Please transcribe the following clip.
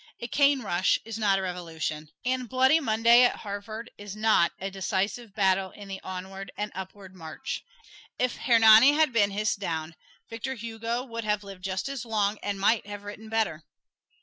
A "cane rush" is not a revolution, and "Bloody Monday" at Harvard is not "a decisive battle in the onward and upward march." If "Hernani" had been hissed down, Victor Hugo would have lived just as long and might have written better.